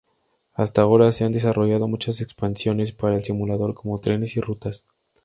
Hasta ahora se han desarrollado muchas expansiones para el simulador, como trenes y rutas.